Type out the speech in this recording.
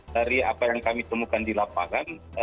dari apa yang kami temukan di lapangan